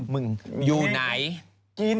มึงอยู่ไหน